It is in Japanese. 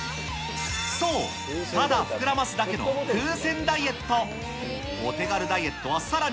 そう、ただ膨らますだけの風船ダイエット。